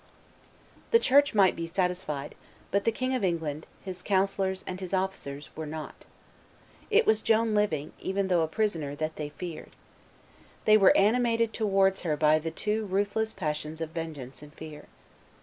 The Church might be satisfied; but the King of England, his councillors and his officers, were not. It was Joan living, even though a prisoner, that they feared. They were animated towards her by the two ruthless passions of vengeance and fear.